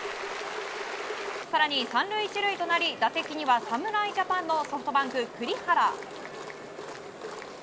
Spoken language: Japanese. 更に３塁１塁となり、打席には侍ジャパンのソフトバンク、栗原。